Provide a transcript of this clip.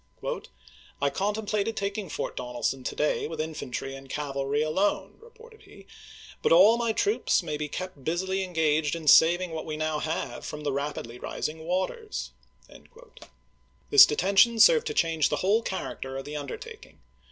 " I contemplated taking Fort Donelson to day with to cluhim. infantry and cavalry alone," reported he, " but all 1862. W:r.' my troops may be kept busily engaged in saving p 596. ■' what we now have from the rapidly rising waters." This detention served to change the whole character of the undertaking.